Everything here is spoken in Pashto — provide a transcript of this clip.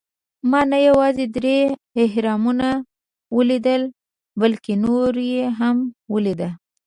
ما نه یوازې درې اهرامونه ولیدل، بلکې نور یې هم ولېدل.